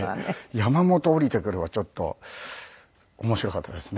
「山本下りてくる」はちょっと面白かったですね。